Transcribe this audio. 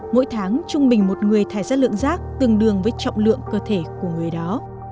mỗi tháng trung bình một người thải rác lượng rác tương đương với trọng lượng cơ thể của người đó